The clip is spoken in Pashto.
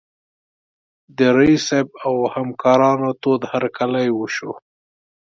د رییس صیب او همکارانو تود هرکلی وشو.